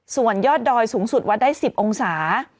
ส่วนยอดดอยสูงสุดวัดได้๑๐องศา